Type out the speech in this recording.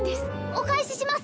お返しします！